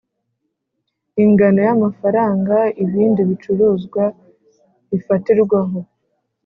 Ingano y’amafaranga ibindi bicuruzwa bifatirwaho